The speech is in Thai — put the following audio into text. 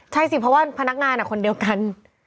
ใช่สิเพราะว่าพนักงานคนเดียวกัน